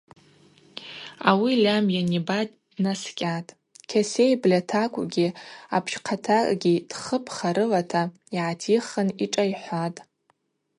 Ауи Льам йаниба днаскӏьатӏ, кьасей бльатаквкӏгьи апщхъатакӏгьи тхыпха рылата йгӏатихын йшӏайхӏватӏ.